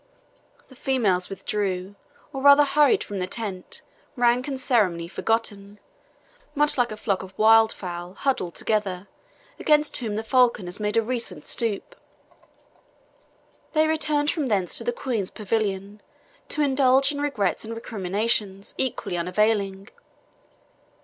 The females withdrew, or rather hurried from the tent, rank and ceremony forgotten, much like a flock of wild fowl huddled together, against whom the falcon has made a recent stoop. They returned from thence to the Queen's pavilion to indulge in regrets and recriminations, equally unavailing.